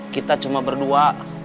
kita cuma berdua